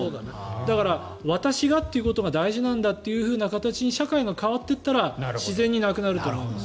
だから、私がということが大事なんだというふうに社会が変わっていったら自然になくなると思います。